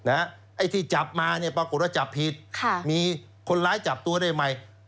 ไอ้ที่จับมาเนี่ยปรากฏว่าจับผิดมีคนร้ายจับตัวได้ไหม